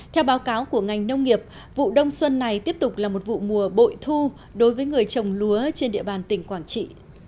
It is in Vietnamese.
theo báo cáo của ngành nông nghiệp vụ đông xuân này tiếp tục là một vụ mùa bội thu đối với người trồng lúa trên địa bàn tỉnh quảng trị